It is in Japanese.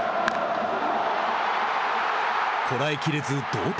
こらえきれず同点。